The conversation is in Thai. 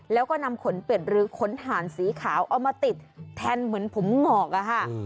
แล้วก็นำขนเป็ดหรือขนหานสีขาวเอามาติดแทนเหมือนผมงอกอะค่ะ